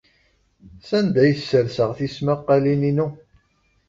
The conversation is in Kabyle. Sanda ay sserseɣ tismaqqalin-inu?